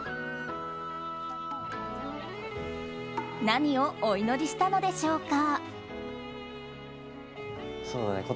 何をお祈りしたのでしょうか。